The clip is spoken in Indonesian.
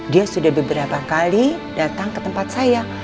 dia sudah beberapa kali datang ke tempat saya